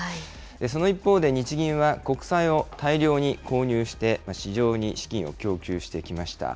その一方で、日銀は国債を大量に購入して、市場に資金を供給してきました。